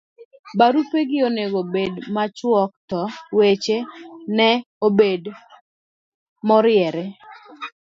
barupegi onego bed machuok to weche ne obed maoriere